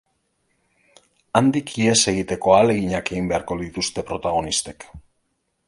Handik ihes egiteko ahaleginak egin beharko dituzte protagonistek.